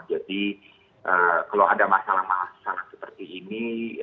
jadi kalau ada masalah masalah seperti ini